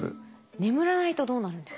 眠らないとどうなるんですか？